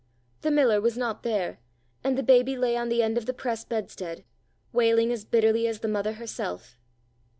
The miller was not there, and the baby lay on the end of the press bedstead, wailing as bitterly as the mother herself.